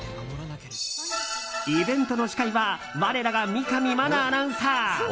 イベントの司会は我らが三上真奈アナウンサー！